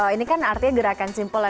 ini kan artinya gerakan simpel ya